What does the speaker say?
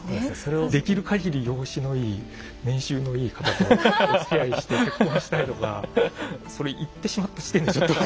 できるかぎり容姿のいい年収のいい方とおつきあいして結婚したいとかそれ言ってしまった時点でちょっと。